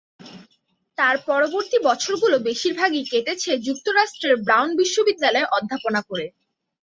তার পরবর্তী বছরগুলো বেশিরভাগই কেটেছে যুক্তরাষ্ট্রের ব্রাউন বিশ্ববিদ্যালয়ে অধ্যাপনা করে।